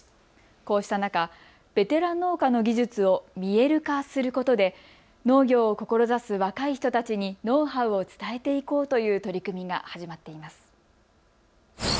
こうした中、ベテラン農家の技術を見える化することで農業を志す若い人たちにノウハウを伝えていこうという取り組みが始まっています。